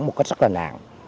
một cách rất là nạn